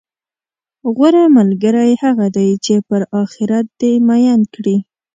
غوره ملګری هغه دی، چې پر اخرت دې میین کړي،